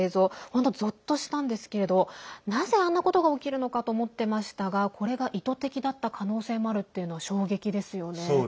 本当ぞっとしたんですけれどなぜ、あんなことが起きるのかと思ってましたがこれが意図的だった可能性もあるっていうのは衝撃ですよね。